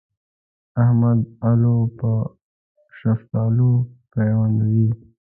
احمد الو په شفتالو پيوندوي.